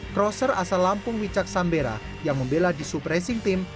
kroser asal lampung wicak sambera yang membela di super racing team